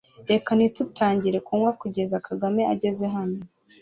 Reka ntitutangire kunywa kugeza Kagame ageze hano